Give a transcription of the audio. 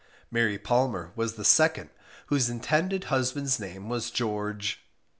Mary Palmer was the second, whose intended husband's name was George